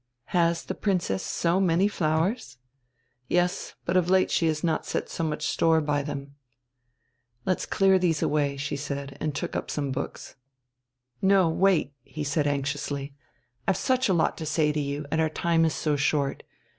"Has the Princess so many flowers?" "Yes, but of late she has not set so much store by them." "Let's clear these away," she said and took up some books. "No, wait," he said anxiously. "I've such a lot to say to you, and our time is so short.